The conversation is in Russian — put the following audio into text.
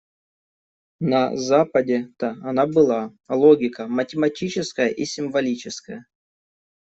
На Западе-то она была: логика математическая и символическая.